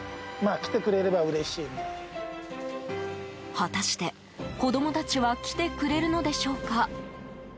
果たして、子供たちは来てくれるのでしょうか？